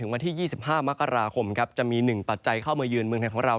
วันที่๒๕มกราคมครับจะมี๑ปัจจัยเข้ามายืนเมืองไทยของเรา